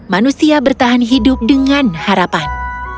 manusia bertahan hidup dengan harapan